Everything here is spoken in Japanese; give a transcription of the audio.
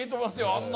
あんな